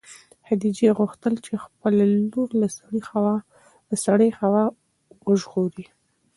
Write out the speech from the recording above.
خدیجې غوښتل چې خپله لور له سړې هوا څخه وژغوري.